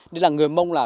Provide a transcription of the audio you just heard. đây là người mong là